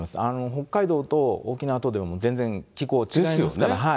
北海道と沖縄とではもう全然気候違いますから。